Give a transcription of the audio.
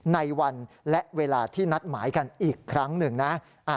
ในวันและเวลาที่นัดหมายกันอีกครั้งหนึ่งนะ